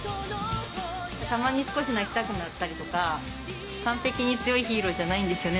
たまに少し泣きたくなったりとか完璧に強いヒーローじゃないんですよね